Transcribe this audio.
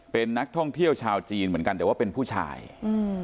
เป็นนักท่องเที่ยวชาวจีนเหมือนกันแต่ว่าเป็นผู้ชายอืม